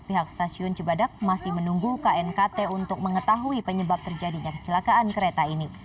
pihak stasiun cibadak masih menunggu knkt untuk mengetahui penyebab terjadinya kecelakaan kereta ini